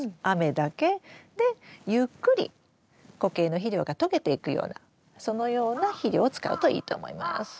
雨だけでゆっくり固形の肥料が溶けていくようなそのような肥料を使うといいと思います。